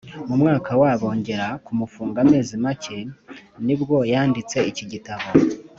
Mu mwaka wa , bongera kumufunga amezi make nibwo yanditse iki gitabo